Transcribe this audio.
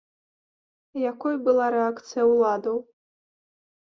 Якой была рэакцыя ўладаў?